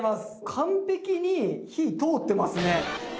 完璧に火通ってますね。